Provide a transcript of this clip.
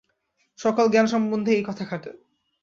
সকল জ্ঞান-সম্বন্ধেই এই কথা খাটে।